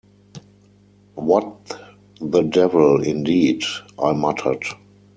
‘What the devil, indeed!’ I muttered.